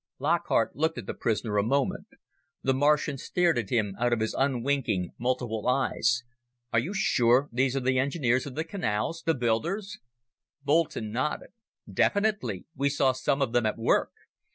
Lockhart looked at the prisoner a moment. The Martian stared at him out of his unwinking multiple eyes. "Are you sure these are the engineers of the canals, the builders?" Boulton nodded. "Definitely. We saw some of them at work.